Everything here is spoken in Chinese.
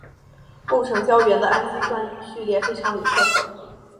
构成胶原的氨基酸序列非常有特色。